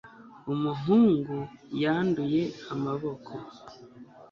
umuhungu yanduye amaboko